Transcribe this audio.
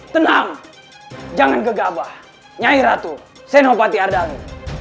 tenang jangan gegabah nyai ratu senopati ardani